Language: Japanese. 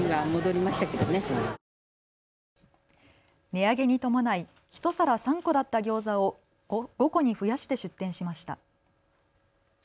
値上げに伴い１皿３個だったギョーザを５個に増やして出店しました。